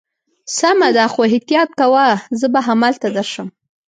سمه ده، خو احتیاط کوه، زه به همالته درشم.